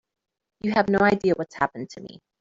You have no idea what's happened to me.